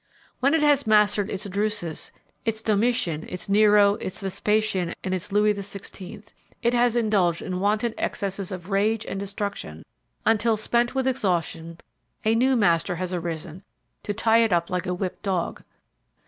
When it has mastered its Drusus, its Domitian, its Nero, its Vespasian and its Louis XVI, it has indulged in wanton excesses of rage and destruction until, spent with exhaustion, a new master has arisen to tie it up like a whipped dog.